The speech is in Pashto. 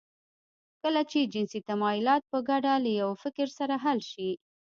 کله چې جنسي تمايلات په ګډه له يوه فکر سره حل شي.